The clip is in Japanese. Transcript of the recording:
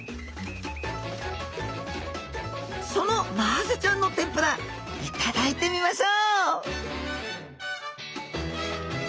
そのマハゼちゃんの天ぷら頂いてみましょう！